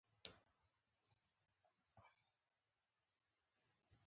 په ورځو کې یوه ورځ غنم یې ژرندې ته یووړل چې اوړه کړي.